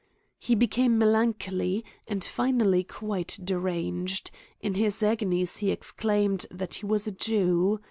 He became melancholy, and finalr ly quite deranged ; in his agonies he exclaimed, that he was a Jew.